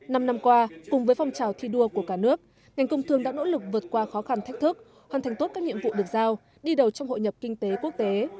năm năm qua cùng với phong trào thi đua của cả nước ngành công thương đã nỗ lực vượt qua khó khăn thách thức hoàn thành tốt các nhiệm vụ được giao đi đầu trong hội nhập kinh tế quốc tế